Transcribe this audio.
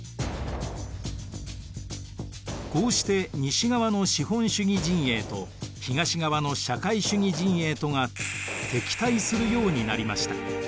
こうして西側の資本主義陣営と東側の社会主義陣営とが敵対するようになりました。